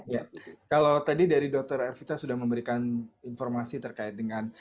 ya kalau tadi dari dokter ervita sudah memberikan informasi terkait dengan